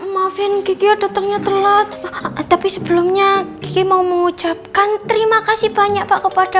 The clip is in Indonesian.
maafin gigi datangnya telat tapi sebelumnya g mau mengucapkan terima kasih banyak kepada